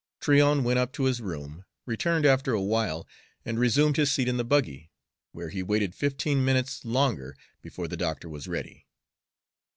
Tryon went up to his room, returned after a while, and resumed his seat in the buggy, where he waited fifteen minutes longer before the doctor was ready.